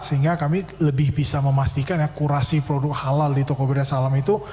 sehingga kami lebih bisa memastikan yang kurasi produk halal di tokopedia salam itu